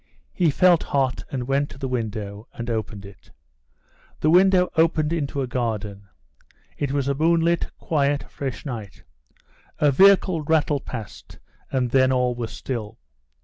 He felt hot, and went to the window and opened it. The window opened into a garden. It was a moonlit, quiet, fresh night; a vehicle rattled past, and then all was still.